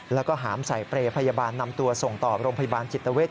แล้วก็หามใส่เปรย์พยาบาลนำตัวส่งต่อโรงพยาบาลจิตเวท